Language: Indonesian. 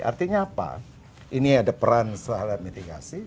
artinya apa ini ada peran terhadap mitigasi